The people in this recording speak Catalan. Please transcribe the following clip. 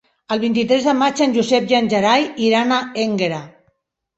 El vint-i-tres de maig en Josep i en Gerai iran a Énguera.